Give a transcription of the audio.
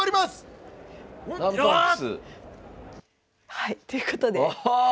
はいということでああ！